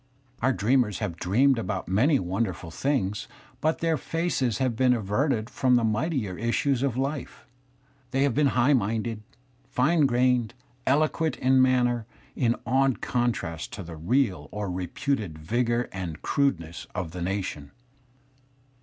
/ "T" Our dreamers have dreamed about many wonderful things, but their faces have been averted from the mightier issues of life. They have been high minded, fine grained, eloquent in ^manner, in odd contrast to the real or reputed vigour and f' crudeness of the nation.